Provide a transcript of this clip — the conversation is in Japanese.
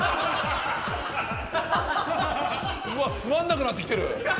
うわっつまんなくなってきてるどんどん。